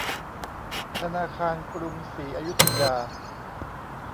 ธนาคารกรุงศรีอยุธยา